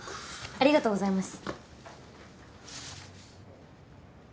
ありがとうございます。